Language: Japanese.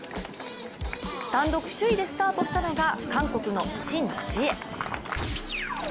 単独首位でスタートしたのが韓国のシン・ジエ。